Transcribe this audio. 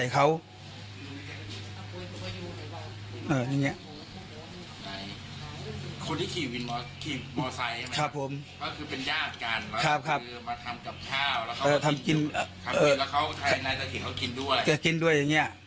แล้วก็เห็นเค้ากินด้วย